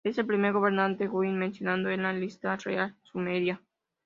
Es el primer gobernante guti mencionado en la Lista Real Sumeria.